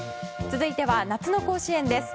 続いては夏の甲子園です。